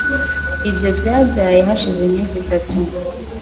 Ibyo byabaye hashize iminsi itatu.